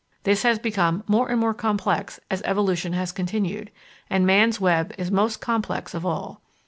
This has become more and more complex as evolution has continued, and man's web is most complex of all.